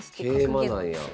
桂馬なんや。